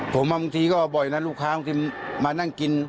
ผมบางทีก็บ่อยนะลูกค้าบางทีมานั่งกิน